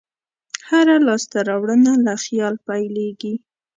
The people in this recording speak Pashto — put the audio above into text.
هره لاسته راوړنه له خیال پیلېږي.